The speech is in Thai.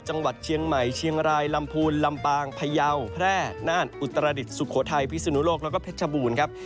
จังหวัดเชียงใหม่เชียงรายลำพูนลำปางพยาวแพร่น่านอุตรดิษฐสุโขทัยพิศนุโลกแล้วก็เพชรบูรณ์ครับ